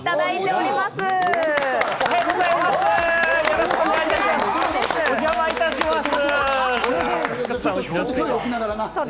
お邪魔いたします。